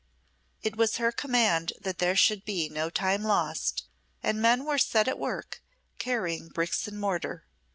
It was her command that there should be no time lost, and men were set at work, carrying bricks and mortar.